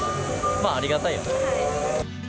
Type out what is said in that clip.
まあありがたいよね。